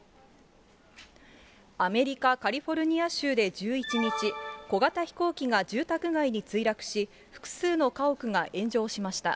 アメリカ・カリフォルニア州で１１日、小型飛行機が住宅街に墜落し、複数の家屋が炎上しました。